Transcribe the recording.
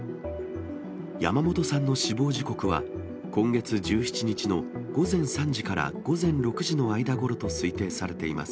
山本さんの死亡時刻は、今月１７日の午前３時から午前６時の間ごろと推定されています。